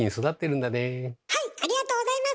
ありがとうございます！